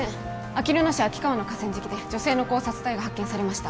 あきる野市秋川の河川敷で女性の絞殺体が発見されました